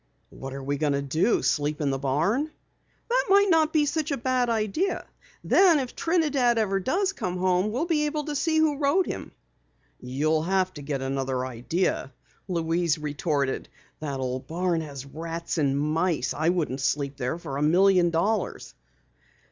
"What are we going to do? Sleep in the barn?" "That might not be such a bad idea. Then if Trinidad ever comes home we'd be able to see who rode him!" "You'll have to get another idea!" Louise retorted. "That old barn has rats and mice. I wouldn't sleep there for a million dollars."